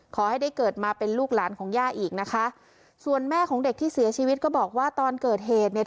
ขอให้ได้เกิดมาเป็นลูกหลานของย่าอีกนะคะส่วนแม่ของเด็กที่เสียชีวิตก็บอกว่าตอนเกิดเหตุเนี่ย